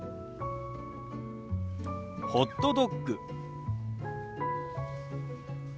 「ホットドッグ」。